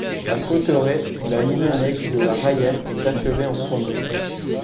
À Cauterets, la ligne annexe de la Raillère est achevée en premier.